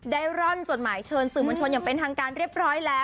ร่อนจดหมายเชิญสื่อมวลชนอย่างเป็นทางการเรียบร้อยแล้ว